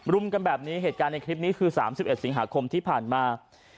รุมกันแบบนี้เหตุการณ์ในคลิปนี้คือ๓๑สิงหาคมที่ผ่านมา